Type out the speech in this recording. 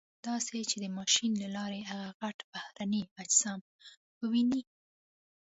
داسې چې د ماشین له لارې هغه غټ بهرني اجسام وویني.